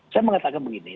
saya mengatakan begini